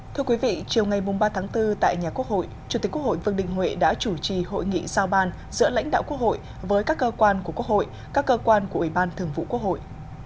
thưa quý vị chiều ngày ba tháng bốn tại nhà quốc hội chủ tịch quốc hội vương đình huệ đã chủ trì hội nghị giao ban giữa lãnh đạo quốc hội với các cơ quan của quốc hội các cơ quan của ủy ban thường vụ quốc hội